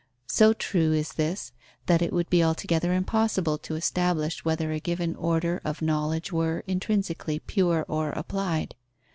So true is this, that it would be altogether impossible to establish whether a given order of knowledge were, intrinsically, pure or applied.